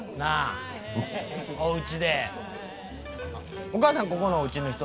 おうちで。